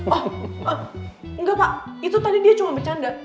pak enggak pak itu tadi dia cuma bercanda